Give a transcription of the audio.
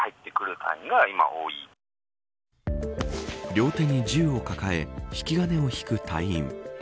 両手に銃を抱え引き金を引く隊員。